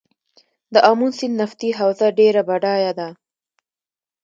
د امو سیند نفتي حوزه ډیره بډایه ده